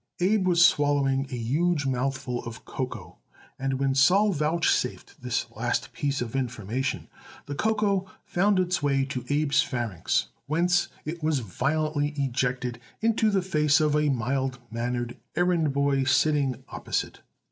Abe was swallowing a huge mouthful of cocoa, and when Sol vouchsafed this last piece of information the cocoa found its way to Abe's pharynx, whence it was violently ejected into the face of a mild mannered errand boy sitting opposite.